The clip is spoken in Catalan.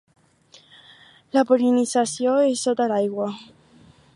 La pol·linització és sota l'aigua.